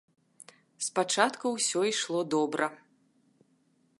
Спачатку ўсё ішло добра.